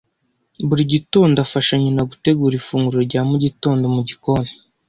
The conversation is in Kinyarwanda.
Buri gitondo afasha nyina gutegura ifunguro rya mugitondo mugikoni.